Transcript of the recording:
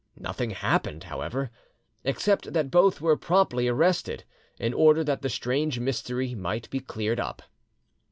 Nothing happened, however, except that both were promptly arrested, in order that the strange mystery might be cleared up.